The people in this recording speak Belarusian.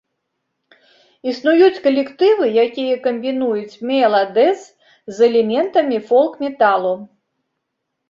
Існуюць калектывы, якія камбінуюць мела-дэз з элементамі фолк-металу.